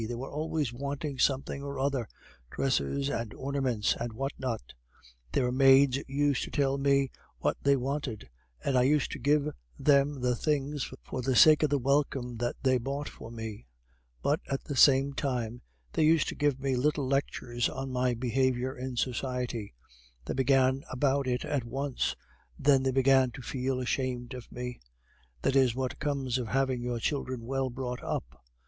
They were always wanting something or other, dresses and ornaments, and what not; their maids used to tell me what they wanted, and I used to give them the things for the sake of the welcome that they bought for me. But, at the same time, they used to give me little lectures on my behavior in society; they began about it at once. Then they began to feel ashamed of me. That is what comes of having your children well brought up.